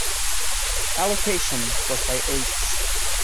Allocation was by eighths.